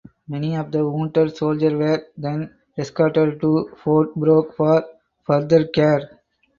Many of the wounded soldiers were then escorted to Fort Brooke for further care.